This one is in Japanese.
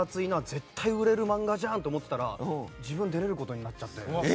絶対売れる漫画じゃんと思っていたら、自分が出れることになっちゃって。